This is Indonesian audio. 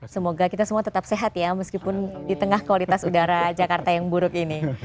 semoga kita semua tetap sehat ya meskipun di tengah kualitas udara jakarta yang buruk ini